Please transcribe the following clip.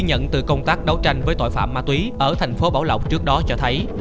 ghi nhận từ công tác đấu tranh với tội phạm ma túy ở thành phố bảo lộc trước đó cho thấy